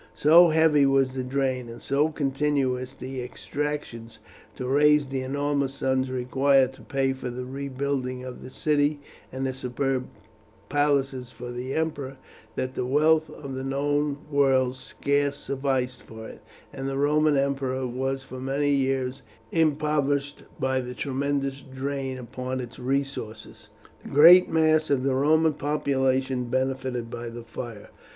So heavy was the drain, and so continuous the exactions to raise the enormous sums required to pay for the rebuilding of the city and the superb palaces for the emperor, that the wealth of the known world scarce sufficed for it, and the Roman Empire was for many years impoverished by the tremendous drain upon its resources. The great mass of the Roman population benefited by the fire.